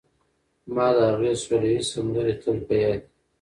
ما د هغې سوله ییزې سندرې تل په یاد دي